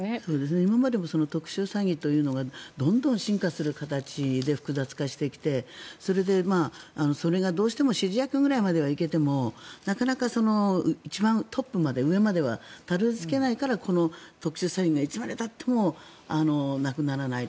今までも特殊詐欺というのがどんどん進化する形で複雑化してきてそれで、それがどうしても指示役ぐらいまでは行けてもなかなか一番トップまで上まではたどり着けないからこの特殊詐欺がいつまでたってもなくならないと。